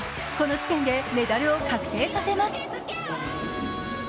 この時点でメダルを確定させます。